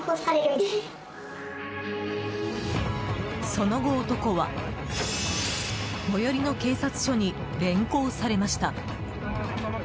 その後、男は最寄りの警察署に連行されました。